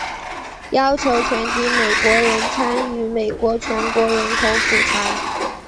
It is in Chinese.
要求全体美国人参与美国全国人口普查。